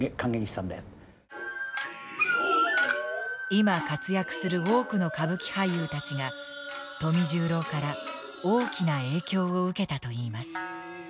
今活躍する多くの歌舞伎俳優たちが富十郎から大きな影響を受けたといいます。